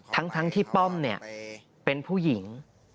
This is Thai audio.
ทั้งที่ป้อมเป็นผู้หญิง